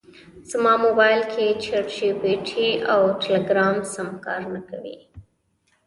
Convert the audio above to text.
زما مبایل کې چټ جي پي ټي او ټیلیګرام سم کار نکوي